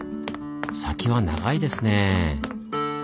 先は長いですねぇ。